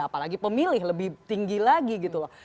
apalagi pemilih lebih tinggi lagi gitu loh